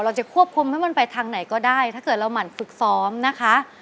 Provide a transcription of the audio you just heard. จะควบคุมให้มันไปทางไหนก็ได้ถ้าเกิดเราหมั่นฝึกซ้อมนะคะ